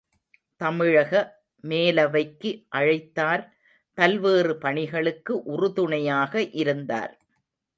தமிழக மேலவைக்கு அழைத்தார் பல்வேறு பணிகளுக்கு உறுதுணையாக இருந்தார்.